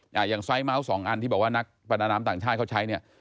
อย่างไซส์เมาส์สองอันที่บอกว่านักประดาน้ำต่างชาติเขาใช้เนี่ย